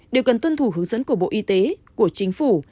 đều cần tuân thủ hướng dẫn của bộ y tế của chính phủ